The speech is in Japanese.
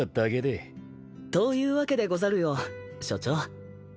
というわけでござるよ署長。